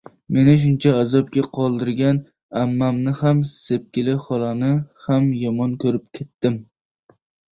Meni shuncha azobga qoldirgan ammamni ham, Sepkilli xolani ham yomon ko‘rib ketdim.